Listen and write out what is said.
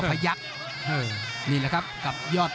ภูตวรรณสิทธิ์บุญมีน้ำเงิน